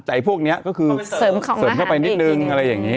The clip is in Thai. แต่พวกนี้ก็คือเสริมของเสริมเข้าไปนิดนึงอะไรอย่างนี้